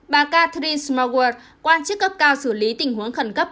bà catherine smallworth quan chức cấp cao xử lý tình huống khẩn cấp